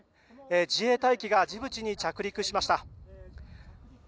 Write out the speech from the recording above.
自衛隊機がジブチに着陸しました。